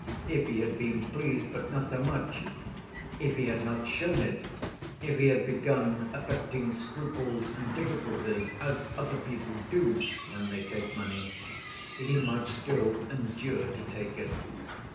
If he had been pleased, but not so much; if he had not shown it; if he had begun affecting scruples and difficulties, as other people do when they take money, he might still endure to take it.